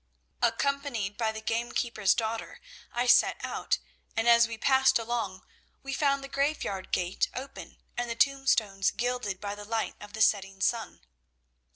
Accompanied by the gamekeeper's daughter I set out, and as we passed along we found the graveyard gate open, and the tombstones gilded by the light of the setting sun.